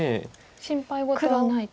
心配事はないと。